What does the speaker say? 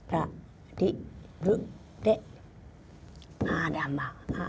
あらまあ。